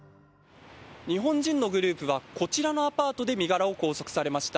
日本人のグループはこちらのアパートで身柄を拘束されました。